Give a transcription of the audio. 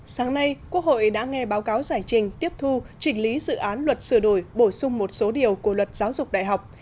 sáng nay quốc hội đã nghe báo cáo giải trình tiếp thu chỉnh lý dự án luật sửa đổi bổ sung một số điều của luật giáo dục đại học